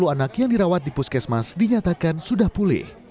sepuluh anak yang dirawat di puskesmas dinyatakan sudah pulih